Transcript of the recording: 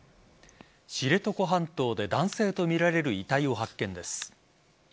知床半島で男性とみられる遺体を発見です。